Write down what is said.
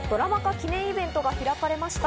記念イベントが開かれました。